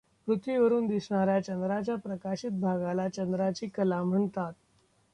पृथ्वीवरून दिसणाऱ्या चंद्राच्या प्रकाशित भागाला चंद्राची कला म्हणतात.